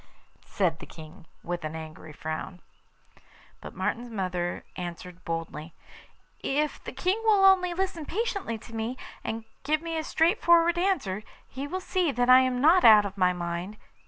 said the King, with an angry frown. But Martin's mother answered boldly: 'If the King will only listen patiently to me, and give me a straightforward answer, he will see that I am not out of my mind.